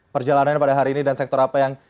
perjalanan pada hari ini dan sektor apa yang